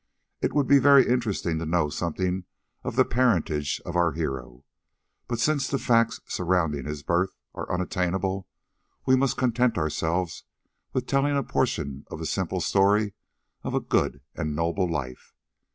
It would be very interesting to know something of the parentage of our hero, but since the facts surrounding his birth are unattainable, we must content ourselves with telling a portion of a simple story of a good and noble life.